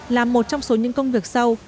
làm một trong số những công việc sau